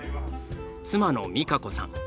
妻の美香子さん。